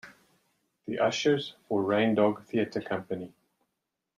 "The Ushers" for Rain Dog theatre company.